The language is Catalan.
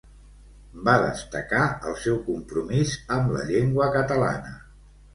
Va destacar el seu compromís amb la llengua catalana.